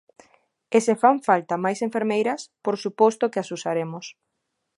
E se fan falta máis enfermeiras, por suposto que as usaremos.